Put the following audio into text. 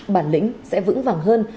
bản lĩnh sẽ vững vàng hơn